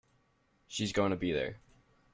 She is going to be there.